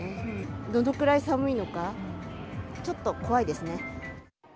どのくらい寒いのか、ちょっと怖いですね。